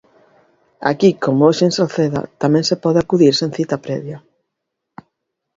Aquí, como hoxe en Salceda, tamén se pode acudir sen cita previa.